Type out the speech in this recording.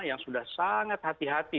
yang sudah sangat hati hati